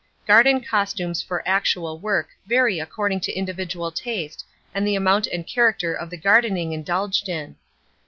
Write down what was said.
Garden costumes for actual work vary according to individual taste and the amount and character of the gardening indulged in.